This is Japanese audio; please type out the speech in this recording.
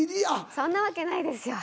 そんなわけないですよ。